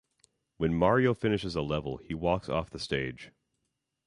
When Mario finishes a level, he walks off the stage.